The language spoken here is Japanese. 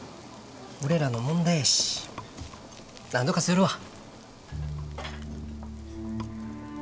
俺らの問題やしなんとかするわ。